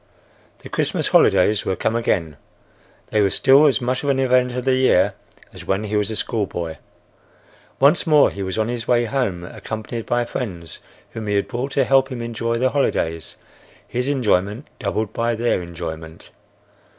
The Christmas holidays were come again. They were still as much the event of the year as when he was a schoolboy. Once more he was on his way home accompanied by friends whom he had brought to help him enjoy the holidays, his enjoyment doubled by their enjoyment.